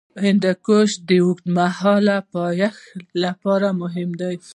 هندوکش د اوږدمهاله پایښت لپاره مهم دی.